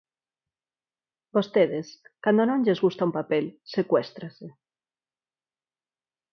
Vostedes, cando non lles gusta un papel, secuéstrase.